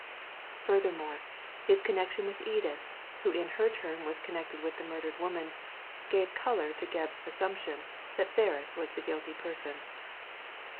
Furthermore, his connection with Edith, who in her turn was connected with the murdered woman^ gave colour to Gebb's assumption that Ferris was the guilty person.